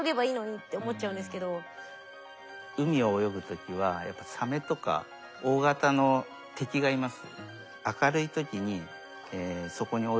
海を泳ぐ時はやっぱサメとか大型の敵がいます。